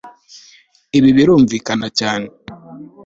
Ibi birumvikana cyane